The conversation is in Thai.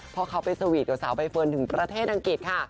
พอเขาไปสวีตด้วยสาวใบเฟิร์นถึงประเทศอังกฤษค่ะ